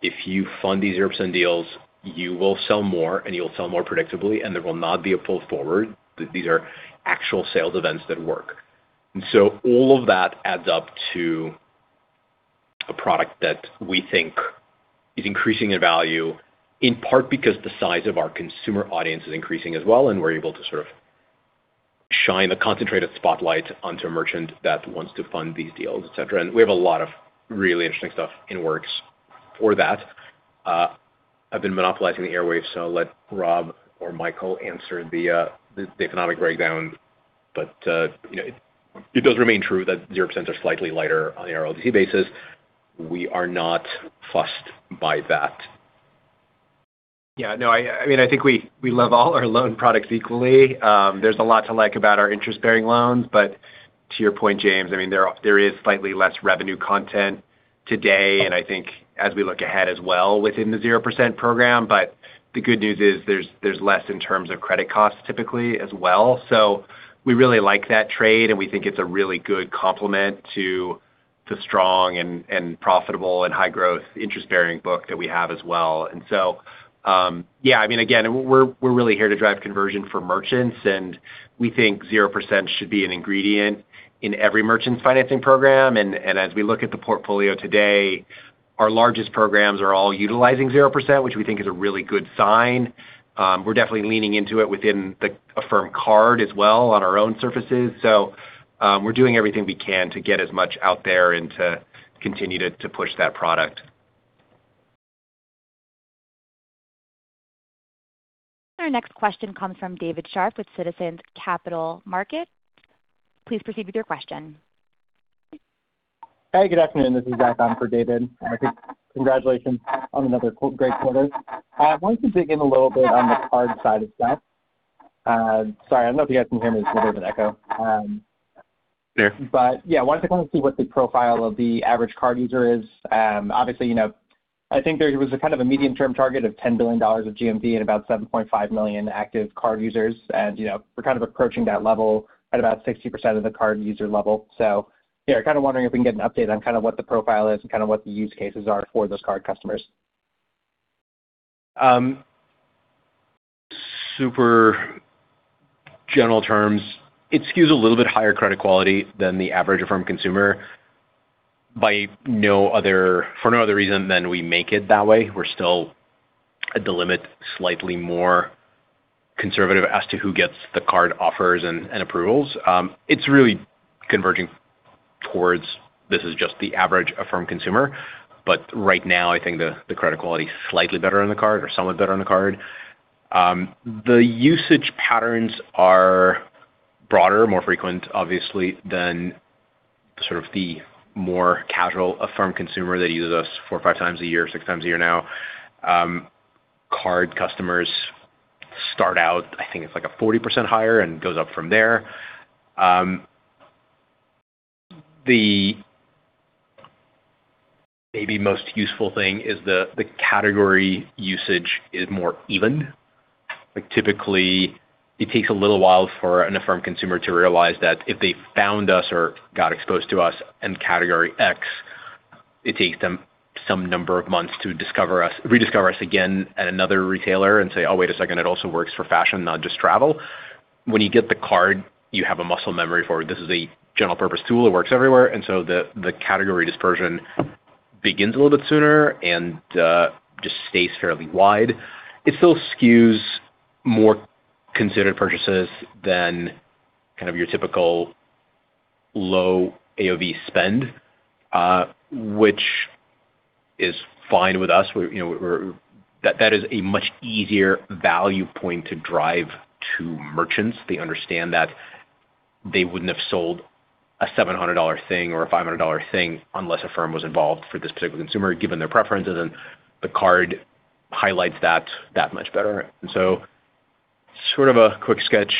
[SPEAKER 3] If you fund these 0% deals, you will sell more, and you'll sell more predictably, and there will not be a pull forward. These are actual sales events that work. All of that adds up to a product that we think is increasing in value, in part because the size of our consumer audience is increasing as well, and we're able to sort of shine a concentrated spotlight onto a merchant that wants to fund these deals, et cetera. I've been monopolizing the airwaves, so I'll let Rob or Michael answer the economic breakdown. You know, it does remain true that zero percents are slightly lighter on the RLTC basis. We are not fussed by that.
[SPEAKER 9] Yeah, no, I mean, I think we love all our loan products equally. There's a lot to like about our interest-bearing loans, to your point, James, I mean, there is slightly less revenue content today, and I think as we look ahead as well within the 0% program. The good news is there's less in terms of credit costs typically as well. We really like that trade, and we think it's a really good complement to the strong and profitable and high-growth interest-bearing book that we have as well. Yeah, I mean, again, we're really here to drive conversion for merchants, and we think 0% should be an ingredient in every merchant financing program. As we look at the portfolio today, our largest programs are all utilizing 0%, which we think is a really good sign. We're definitely leaning into it within the Affirm Card as well on our own surfaces. We're doing everything we can to get as much out there and to continue to push that product.
[SPEAKER 1] Our next question comes from David Scharf with Citizens Capital Markets. Please proceed with your question.
[SPEAKER 20] Hey, good afternoon. This is Zach on for David. Congratulations on another great quarter. I wanted to dig in a little bit on the card side of stuff. Sorry, I don't know if you guys can hear me. There's a bit of an echo.
[SPEAKER 3] Sure.
[SPEAKER 20] Yeah, wanted to kind of see what the profile of the average card user is. Obviously, you know, I think there was a kind of a medium-term target of $10 billion of GMV and about 7.5 million active card users. You know, we're kind of approaching that level at about 60% of the card user level. Yeah, kind of wondering if we can get an update on kind of what the profile is and kind of what the use cases are for those card customers.
[SPEAKER 3] Super general terms, it skews a little bit higher credit quality than the average Affirm consumer for no other reason than we make it that way. We're still, at the limit, slightly more conservative as to who gets the card offers and approvals. It's really converging towards this is just the average Affirm consumer. Right now, I think the credit quality is slightly better on the card or somewhat better on the card. The usage patterns are broader, more frequent, obviously, than sort of the more casual Affirm consumer that uses us 4x or 5x a year, 6x a year now. Card customers start out, I think it's like a 40% higher and goes up from there. The maybe most useful thing is the category usage is more even. Like, typically it takes a little while for an Affirm consumer to realize that if they found us or got exposed to us in category X, it takes them some number of months to rediscover us again at another retailer and say, "Oh, wait a second, it also works for fashion, not just travel." When you get the card, you have a muscle memory for this is a general-purpose tool. It works everywhere. The category dispersion begins a little bit sooner and just stays fairly wide. It still skews more considered purchases than kind of your typical low AOV spend, which is fine with us. We're, you know, that is a much easier value point to drive to merchants. They understand that they wouldn't have sold a $700 thing or a $500 thing unless Affirm was involved for this particular consumer, given their preferences, and the card highlights that much better. Sort of a quick sketch.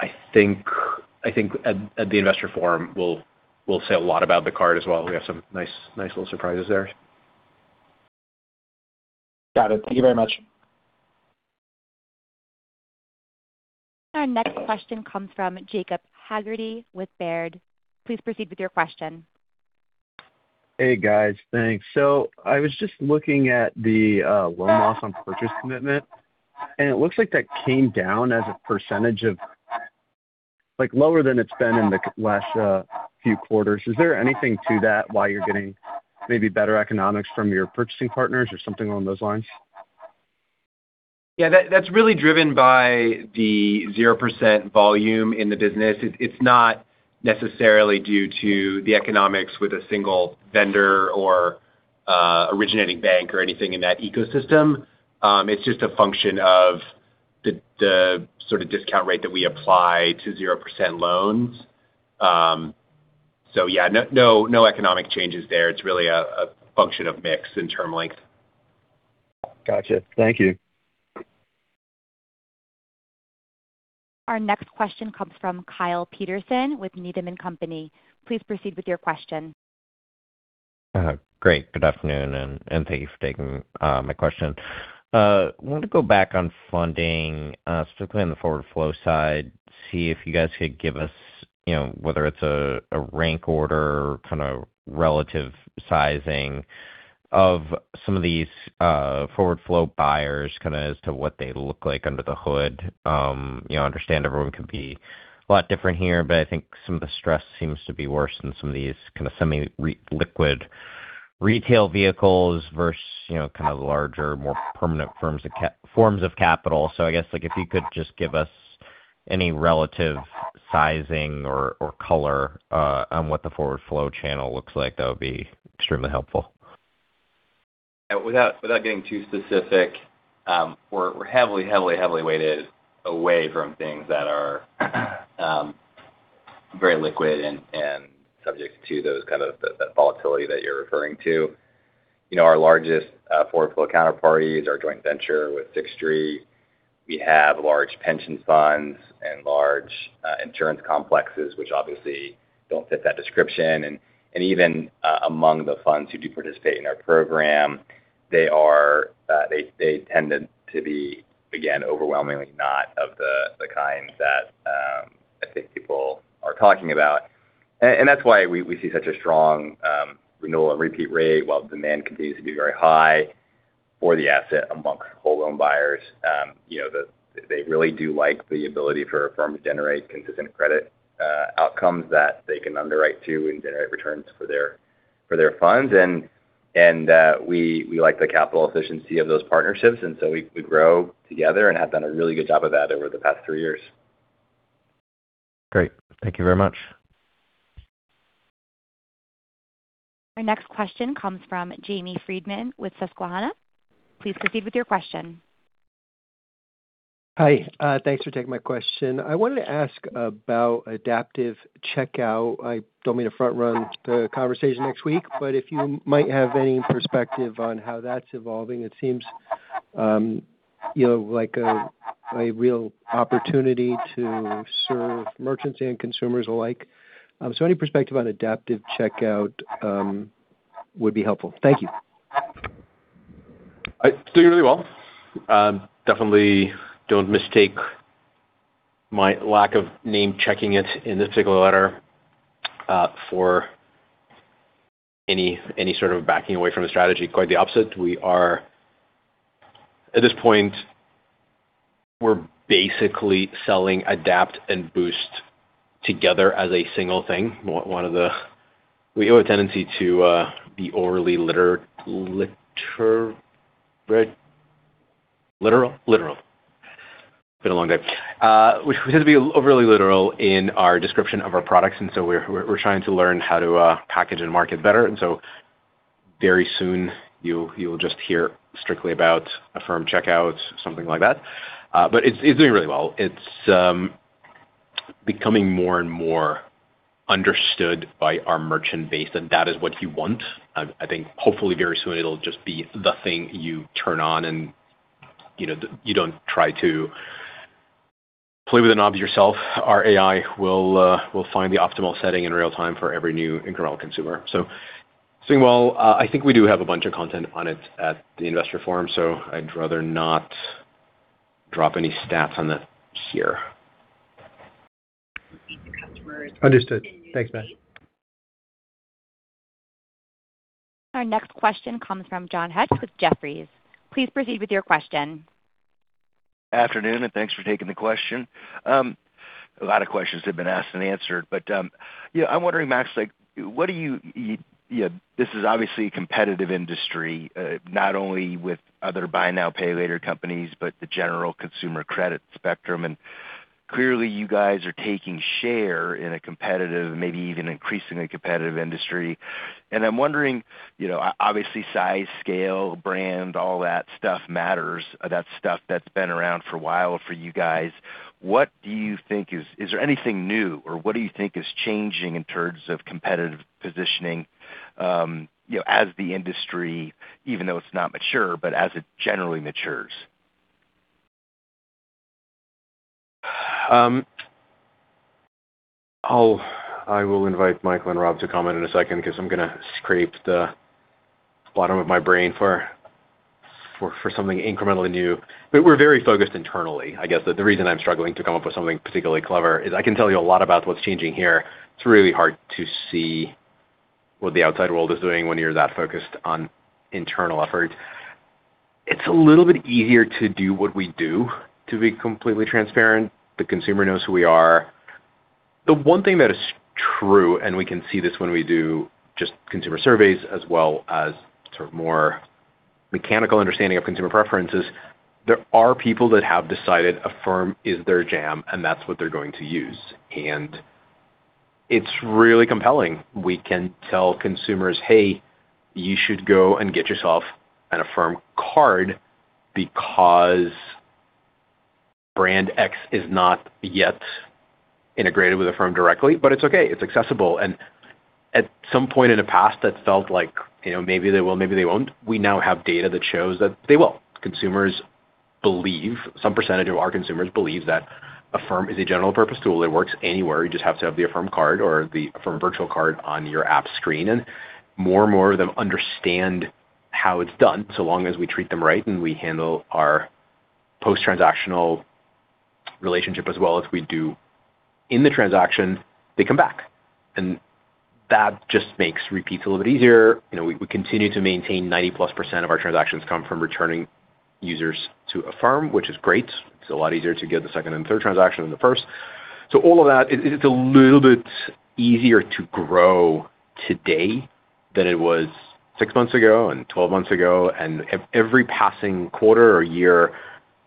[SPEAKER 3] I think at the Affirm Investor Forum, we'll say a lot about the card as well. We have some nice little surprises there.
[SPEAKER 20] Got it. Thank you very much.
[SPEAKER 1] Our next question comes from Jacob Haggarty with Baird. Please proceed with your question.
[SPEAKER 21] Hey, guys. Thanks. I was just looking at the loan loss on purchase commitment, and it looks like that came down as a percentage of, like lower than it's been in the last few quarters. Is there anything to that, why you're getting maybe better economics from your purchasing partners or something along those lines?
[SPEAKER 9] Yeah, that's really driven by the 0% volume in the business. It's not necessarily due to the economics with a single vendor or originating bank or anything in that ecosystem. It's just a function of the sort of discount rate that we apply to 0% loans. Yeah, no, no economic changes there. It's really a function of mix and term length.
[SPEAKER 21] Gotcha. Thank you.
[SPEAKER 1] Our next question comes from Kyle Peterson with Needham & Company. Please proceed with your question.
[SPEAKER 22] Great. Good afternoon, and thank you for taking my question. Wanted to go back on funding, specifically on the forward flow side, see if you guys could give us, you know, whether it's a rank order kind of relative sizing of some of these forward flow buyers, kinda as to what they look like under the hood. You know, I understand everyone could be a lot different here, but I think some of the stress seems to be worse in some of these kind of semi liquid retail vehicles versus, you know, kind of larger, more permanent forms of capital. I guess, like, if you could just give us any relative sizing or color on what the forward flow channel looks like, that would be extremely helpful.
[SPEAKER 5] Without getting too specific, we're heavily, heavily weighted away from things that are very liquid and subject to those kind of the volatility that you're referring to. You know, our largest forward flow counterparties are joint venture with Sixth Street. We have large pension funds and large insurance complexes, which obviously don't fit that description. Even among the funds who do participate in our program, they tend to be, again, overwhelmingly not of the kind that I think people are talking about. That's why we see such a strong renewal and repeat rate while demand continues to be very high for the asset amongst whole loan buyers. You know, they really do like the ability for Affirm to generate consistent credit outcomes that they can underwrite to and generate returns for their, for their funds. We like the capital efficiency of those partnerships, we grow together and have done a really good job of that over the past three years.
[SPEAKER 22] Great. Thank you very much.
[SPEAKER 1] Our next question comes from Jamie Friedman with Susquehanna. Please proceed with your question.
[SPEAKER 23] Hi, thanks for taking my question. I wanted to ask about Adaptive Checkout. I don't mean to front run the conversation next week, but if you might have any perspective on how that's evolving. It seems, you know, like a real opportunity to serve merchants and consumers alike. Any perspective on Adaptive Checkout would be helpful. Thank you.
[SPEAKER 3] It's doing really well. Definitely don't mistake my lack of name-checking it in this particular letter for any sort of backing away from the strategy. Quite the opposite. At this point, we're basically selling AdaptAI and BoostAI together as a single thing. One of the, we have a tendency to be overly literal. It's been a long day. We tend to be overly literal in our description of our products, we're trying to learn how to package and market better. Very soon, you'll just hear strictly about Affirm Checkouts, something like that. But it's doing really well. It's becoming more and more understood by our merchant base, and that is what you want. I think hopefully very soon it'll just be the thing you turn on and, you know, you don't try to play with the knobs yourself. Our AI will find the optimal setting in real time for every new incremental consumer. It's doing well. I think we do have a bunch of content on it at the Investor Forum, so I'd rather not drop any stats on that here.
[SPEAKER 23] Understood. Thanks, Max.
[SPEAKER 1] Our next question comes from John Hecht with Jefferies. Please proceed with your question.
[SPEAKER 24] Afternoon, and thanks for taking the question. A lot of questions have been asked and answered. You know, I'm wondering, Max, like, what do you know, this is obviously a competitive industry, not only with other buy now, pay later companies, but the general consumer credit spectrum. Clearly, you guys are taking share in a competitive, maybe even increasingly competitive industry. I'm wondering, you know, obviously, size, scale, brand, all that stuff matters. That's stuff that's been around for a while for you guys. What do you think is there anything new or what do you think is changing in terms of competitive positioning, you know, as the industry, even though it's not mature, but as it generally matures?
[SPEAKER 3] I will invite Michael and Rob to comment in a second because I'm gonna scrape the bottom of my brain for something incrementally new. We're very focused internally. I guess the reason I'm struggling to come up with something particularly clever is I can tell you a lot about what's changing here. It's really hard to see what the outside world is doing when you're that focused on internal efforts. It's a little bit easier to do what we do, to be completely transparent. The consumer knows who we are. The one thing that is true, and we can see this when we do just consumer surveys as well as sort of more mechanical understanding of consumer preferences, there are people that have decided Affirm is their jam, and that's what they're going to use. It's really compelling. We can tell consumers, "Hey, you should go and get yourself an Affirm Card because brand X is not yet integrated with Affirm directly, but it's okay. It's accessible." At some point in the past, that felt like, you know, maybe they will, maybe they won't. We now have data that shows that they will. Consumers believe Some percentage of our consumers believe that Affirm is a general purpose tool that works anywhere. You just have to have the Affirm Card or the Affirm virtual card on your app screen. More and more of them understand how it's done, so long as we treat them right and we handle our post-transactional relationship as well as we do in the transaction, they come back. That just makes repeats a little bit easier. You know, we continue to maintain 90%+ of our transactions come from returning users to Affirm, which is great. It's a lot easier to get the second and third transaction than the first. All of that, it's a little bit easier to grow today than it was six months ago and 12 months ago. Every passing quarter or year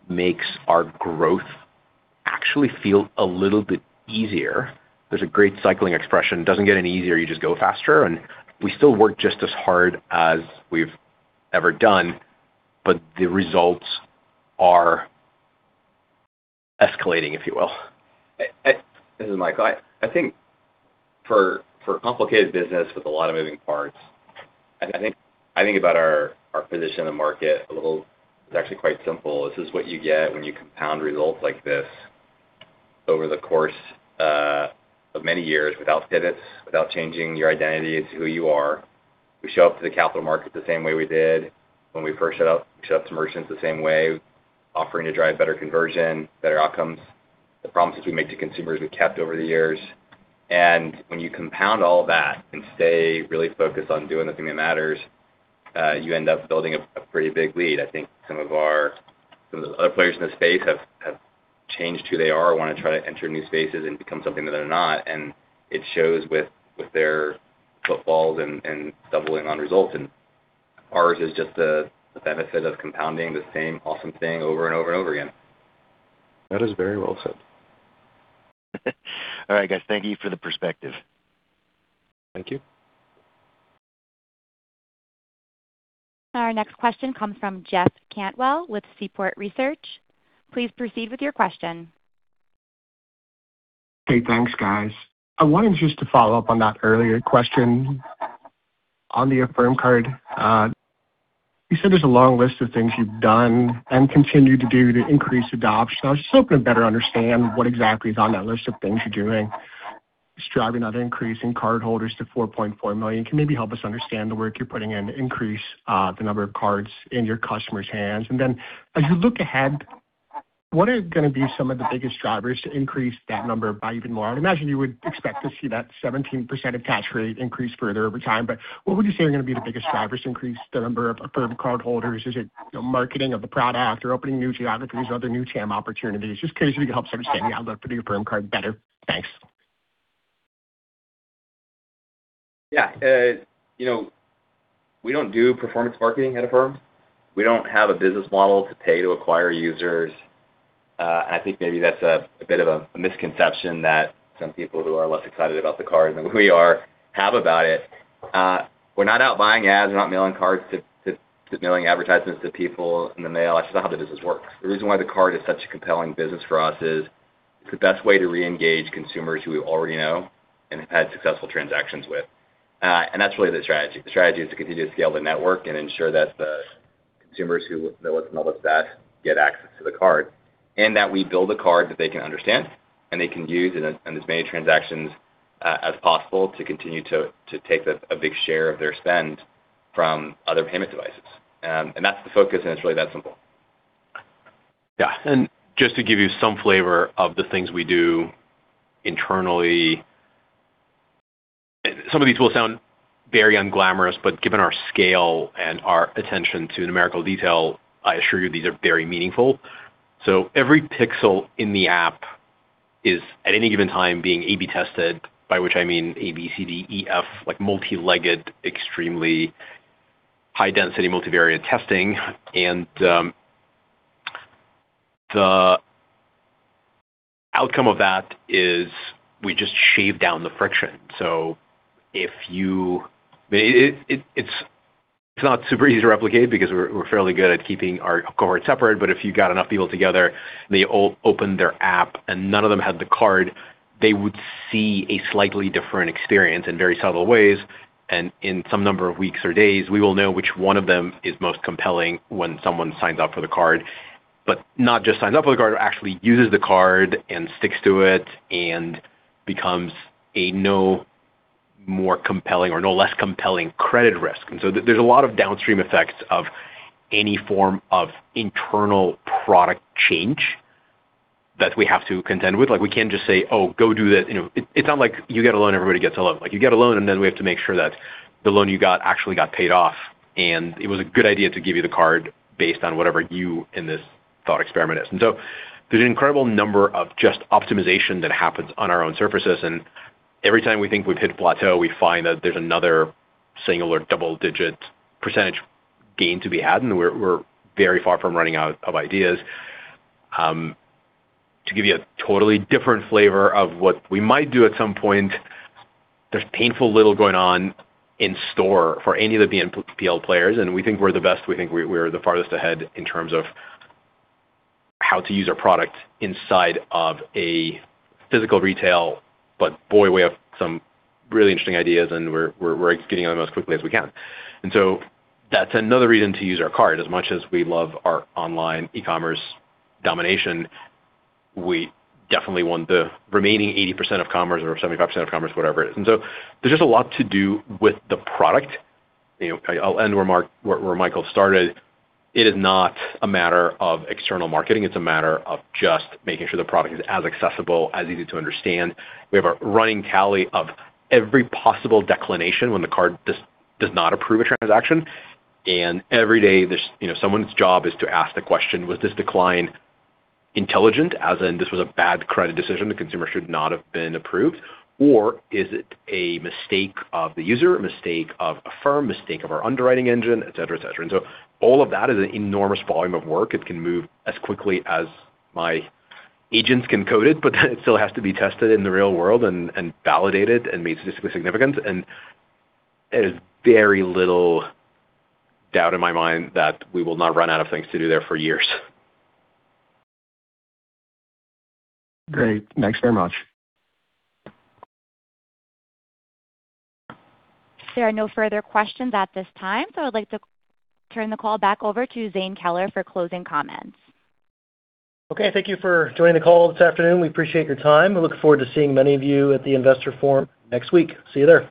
[SPEAKER 3] makes our growth actually feel a little bit easier. There's a great cycling expression, "It doesn't get any easier, you just go faster." We still work just as hard as we've ever done, but the results are escalating, if you will.
[SPEAKER 5] This is Michael. I think for a complicated business with a lot of moving parts, I think about our position in the market. It's actually quite simple. This is what you get when you compound results like this over the course of many years without pivots, without changing your identity. It's who you are. We show up to the capital market the same way we did when we first showed up. We show up to merchants the same way, offering to drive better conversion, better outcomes. The promises we make to consumers, we've kept over the years. When you compound all that and stay really focused on doing the thing that matters, you end up building a pretty big lead. I think some of the other players in the space have changed who they are or want to try to enter new spaces and become something that they're not, and it shows with their pitfalls and stumbling on results. Ours is just the benefit of compounding the same awesome thing over and over and over again.
[SPEAKER 3] That is very well said.
[SPEAKER 24] All right, guys, thank you for the perspective.
[SPEAKER 3] Thank you.
[SPEAKER 1] Our next question comes from Jeff Cantwell with Seaport Research. Please proceed with your question.
[SPEAKER 25] Thanks, guys. I wanted just to follow up on that earlier question on the Affirm Card. You said there's a long list of things you've done and continue to do to increase adoption. I was just hoping to better understand what exactly is on that list of things you're doing. Just driving that increase in cardholders to 4.4 million. Can you maybe help us understand the work you're putting in to increase the number of cards in your customers' hands? As you look ahead, what are gonna be some of the biggest drivers to increase that number by even more? I would imagine you would expect to see that 17% attach rate increase further over time, what would you say are gonna be the biggest drivers to increase the number of Affirm Cardholders? Is it, you know, marketing of the product or opening new geographies or other new TAM opportunities? Just curious if you could help us understand the outlook for the Affirm Card better. Thanks.
[SPEAKER 5] You know, we don't do performance marketing at Affirm. We don't have a business model to pay to acquire users. I think maybe that's a bit of a misconception that some people who are less excited about the card than we are have about it. We're not out buying ads. We're not mailing cards to mailing advertisements to people in the mail. That's not how the business works. The reason why the card is such a compelling business for us is it's the best way to re-engage consumers who we already know and have had successful transactions with. That's really the strategy. The strategy is to continue to scale the network and ensure that the consumers who know us and love us best get access to the card, and that we build a card that they can understand and they can use in as many transactions as possible to continue to take a big share of their spend from other payment devices. That's the focus, and it's really that simple.
[SPEAKER 3] Just to give you some flavor of the things we do internally. Some of these will sound very unglamorous, but given our scale and our attention to numerical detail, I assure you these are very meaningful. Every pixel in the app is, at any given time, being A/B tested, by which I mean A, B, C, D, E, F, like multi-legged, extremely high density multivariate testing. The outcome of that is we just shave down the friction. If you I mean, it's not super easy to replicate because we're fairly good at keeping our cohort separate, but if you got enough people together and they all open their app and none of them had the card, they would see a slightly different experience in very subtle ways. In some number of weeks or days, we will know which one of them is most compelling when someone signs up for the Affirm Card. Not just signs up for the Affirm Card, actually uses the Affirm Card and sticks to it and becomes a no more compelling or no less compelling credit risk. There's a lot of downstream effects of any form of internal product change that we have to contend with. We can't just say, "Oh, go do this." It's not like you get a loan, everybody gets a loan. You get a loan, and then we have to make sure that the loan you got actually got paid off, and it was a good idea to give you the Affirm Card based on whatever you in this thought experiment is. There's an incredible number of just optimization that happens on our own surfaces, and every time we think we've hit a plateau, we find that there's another single or double-digit percentage gain to be had, and we're very far from running out of ideas. To give you a totally different flavor of what we might do at some point, there's painful little going on in store for any of the BNPL players, and we think we're the best. We think we're the farthest ahead in terms of how to use our product inside of a physical retail. But boy, we have some really interesting ideas, and we're getting on them as quickly as we can. That's another reason to use our card. As much as we love our online e-commerce domination, we definitely want the remaining 80% of commerce or 75% of commerce, whatever it is. There's just a lot to do with the product. You know, I'll end where Michael started. It is not a matter of external marketing. It's a matter of just making sure the product is as accessible, as easy to understand. We have a running tally of every possible declination when the card does not approve a transaction. Every day there's, you know, someone's job is to ask the question, was this decline intelligent, as in this was a bad credit decision, the consumer should not have been approved? Is it a mistake of the user, a mistake of Affirm, mistake of our underwriting engine, et cetera, et cetera. All of that is an enormous volume of work. It can move as quickly as my agents can code it, but it still has to be tested in the real world and validated and made statistically significant. There's very little doubt in my mind that we will not run out of things to do there for years.
[SPEAKER 25] Great. Thanks very much.
[SPEAKER 1] There are no further questions at this time, so I'd like to turn the call back over to Zane Keller for closing comments.
[SPEAKER 2] Okay. Thank you for joining the call this afternoon. We appreciate your time. We look forward to seeing many of you at the Affirm Investor Forum next week. See you there.